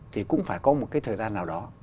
thì cũng phải có một cái thời gian nào đó